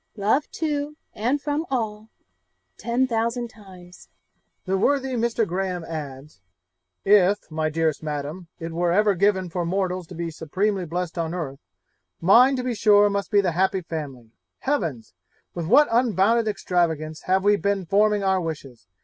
'Love to and from all ten thousand times.' The worthy Mr. Graham adds, 'If, my dearest Madam, it were ever given for mortals to be supremely blest on earth, mine to be sure must be the happy family. Heavens! with what unbounded extravagance have we been forming our wishes!